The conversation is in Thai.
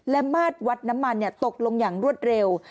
และมาดวัดน้ำมันตกลงอย่างรวดเร็ว